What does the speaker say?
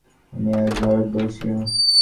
আমি আজ ভারতবর্ষীয়।